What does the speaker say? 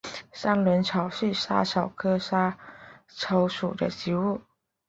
三轮草是莎草科莎草属的植物。